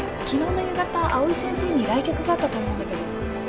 昨日の夕方蒼井先生に来客があったと思うんだけど。